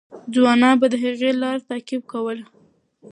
ځوانان به د هغې لار تعقیب کوله.